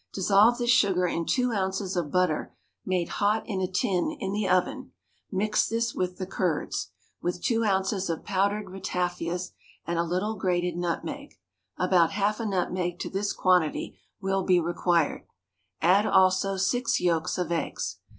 Dissolve this sugar in two ounces of butter made hot in a tin in the oven; mix this with the curds, with two ounces of powdered ratafias and a little grated nutmeg about half a nutmeg to this quantity will be required; add also six yolks of eggs.